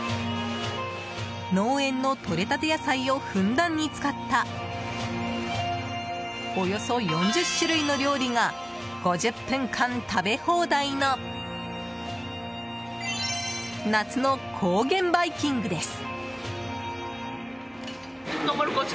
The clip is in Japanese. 農園のとれたて野菜をふんだんに使ったおよそ４０種類の料理が５０分間食べ放題の夏の高原バイキングです。